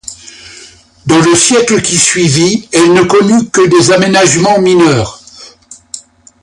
Dans le siècle qui suivit, elle ne connut que des aménagements mineurs.